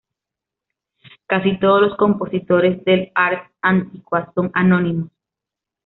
Casi todos los compositores del "ars antiqua" son anónimos.